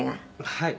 「はい」